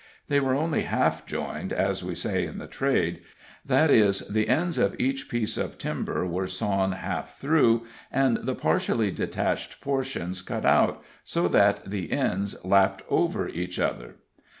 They were only half joined, as we say in the trade that is, the ends of each piece of timber were sawn half through and the partially detached portions cut out, so that the ends lapped over each other.